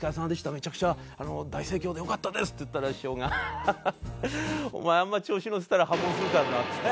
「めちゃくちゃ大盛況で良かったです」って言ったら師匠が「ハハハハ！お前あんま調子乗ってたら破門するからな」っつって。